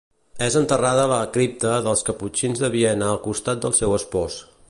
És enterrada a la Cripta dels caputxins de Viena al costat del seu espòs.